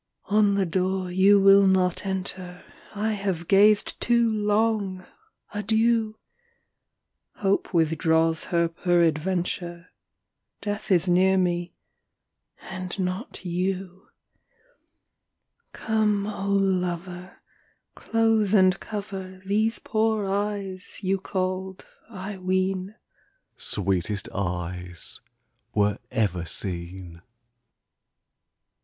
I. On the door you will not enter, I have gazed too long: adieu! Hope withdraws her peradventure; Death is near me, and not you. Come, O lover, Close and cover These poor eyes, you called, I ween, "Sweetest eyes were ever seen!"